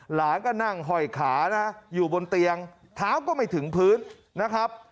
หลานก็นั่งห้อยขานะอยู่บนเตียงเท้าก็ไม่ถึงพื้นนะครับ